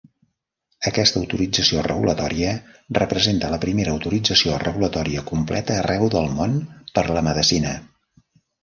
Aquesta autorització regulatòria representa la primera autorització regulatòria completa arreu del món per la medecina.